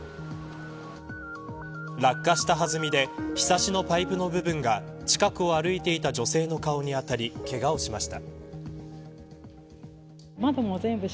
落下したはずみでひさしのパイプの部分が近くを歩いていた女性の顔に当たり、けがをしました。